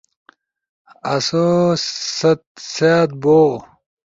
آسو ست سأت بو